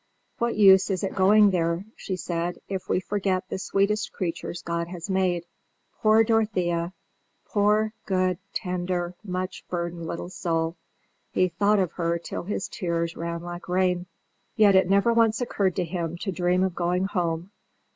"What use is it going there," she said, "if we forget the sweetest creatures God has made?" Poor Dorothea! Poor, good, tender, much burdened little soul! He thought of her till his tears ran like rain. Yet it never once occurred to him to dream of going home.